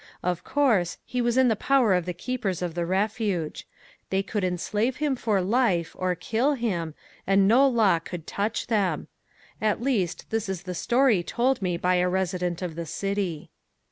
Of course, he was in the power of the keepers of the refuge. They could enslave him for life or kill him and no law could touch them. At least this is the story told me by a resident of the city.